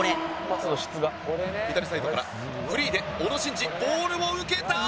左サイドからフリーで小野伸二ボールを受けた！